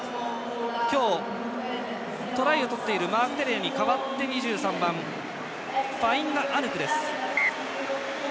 今日、トライを取っているマーク・テレアに代わって２３番のファインガアヌクです。